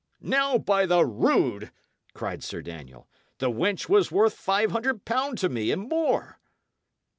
"Now, by the rood!" cried Sir Daniel, "the wench was worth five hundred pound to me and more."